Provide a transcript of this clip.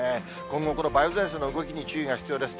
今後、この梅雨前線の動きに注意が必要です。